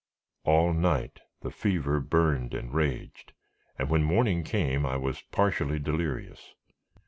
All night the fever burned and raged, and when morning came I was partially delirious.